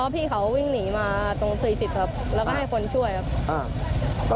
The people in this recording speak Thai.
พี่เขาวิ่งหนีมาตรง๔๐ครับแล้วก็ให้คนช่วยครับ